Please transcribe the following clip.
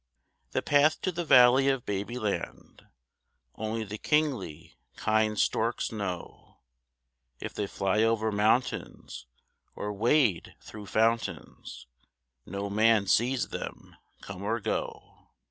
The path to the Valley of Babyland Only the kingly, kind storks know; If they fly over mountains, or wade through fountains. No man sees them come or go.